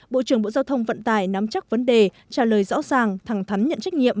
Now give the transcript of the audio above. bộ trưởng bộ giao thông vận tải nắm chắc vấn đề trả lời rõ ràng thẳng thắn nhận trách nhiệm